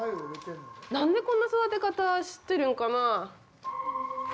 なんでこんな育て方してるんかな？